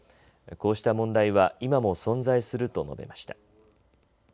こうした問題は今も存在すると述べました。